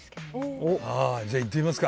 じゃあいってみますか。